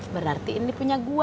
berarti ini punya gua